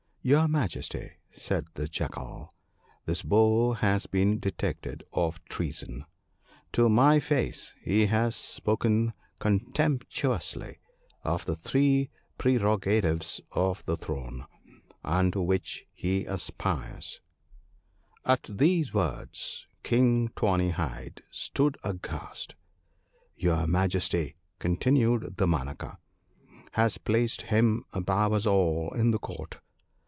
'Your Majesty/ said the Jackal, 'this Bull has been detected of treason. To my face he has spoken con temptuously of the three prerogatives of the throne ( 0,i ), unto which he aspires/ " At these words King Tawny hide stood aghast. ' Your Majesty,' continued Damanaka, ' has placed him above us all in the Court.